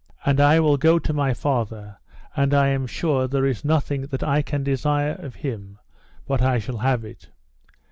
And I will go to my father and I am sure there is nothing that I can desire of him but I shall have it.